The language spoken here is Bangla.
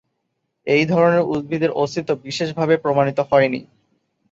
এই ধরনের উদ্ভিদের অস্তিত্ব বিশেষভাবে প্রমাণিত হয়নি।